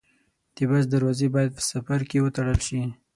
د بس دروازې باید په سفر کې وتړل شي.